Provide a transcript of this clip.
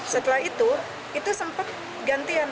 setelah itu itu sempat gantian